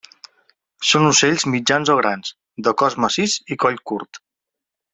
Són ocells mitjans o grans, de cos massís i coll curt.